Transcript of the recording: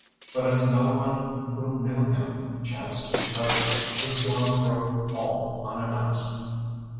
But as no one who knew him chanced to be present, the storm broke all unannounced.